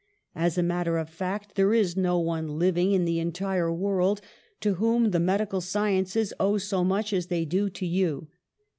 "As a matter of fact, there is no one living in the entire world to whom the medical sciences owe so much as they do to you.